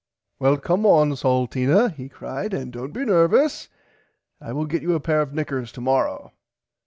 Well come on Salteena he cried and dont be nervus I will get you a pair of knickers tomorrow.